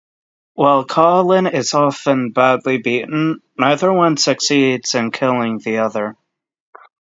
While Colin is often badly beaten, neither one ever succeeds in killing the other.